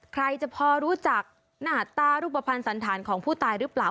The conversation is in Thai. ใครจะพอรู้จักหน้าตารูปภัณฑ์สันธารของผู้ตายหรือเปล่า